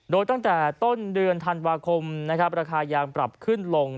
โดยตั้งแต่ต้นเดือนธันวาคมนะครับราคายางปรับขึ้นลง